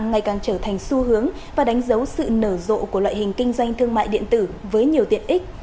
ngày càng trở thành xu hướng và đánh dấu sự nở rộ của loại hình kinh doanh thương mại điện tử với nhiều tiện ích